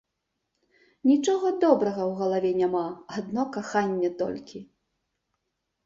Нічога добрага ў галаве няма, адно каханне толькі.